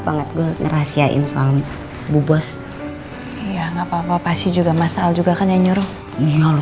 banget gue ngerahasiain soal bubos ya nggak papa sih juga masalah juga kan nyuruh iya lu